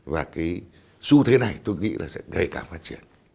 và cái xu thế này tôi nghĩ là sẽ ngày càng phát triển